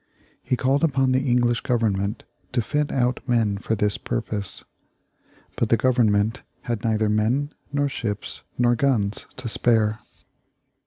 He called upon the English Government to fit out men for this purpose. But the Government had neither men, nor ships, nor guns to spare.